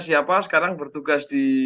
siapa sekarang bertugas di